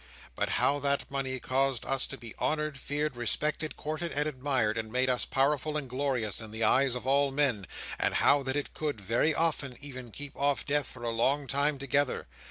But how that money caused us to be honoured, feared, respected, courted, and admired, and made us powerful and glorious in the eyes of all men; and how that it could, very often, even keep off death, for a long time together.